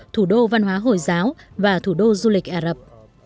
thủ đô văn hóa hồi giáo và thủ đô du lịch ả rập